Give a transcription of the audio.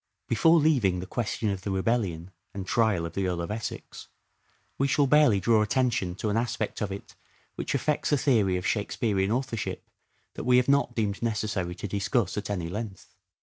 Before leaving the question of the rebellion and Bacon, trial of the Earl of Essex we shall barely draw attention t °" to an aspect of it which affects a theory of Shake °xford pearean authorship that we have not deemed necessary to discuss at any length.